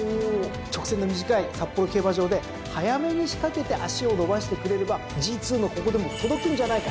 直線の短い札幌競馬場で早めに仕掛けて脚を伸ばしてくれればＧⅡのここでも届くんじゃないか。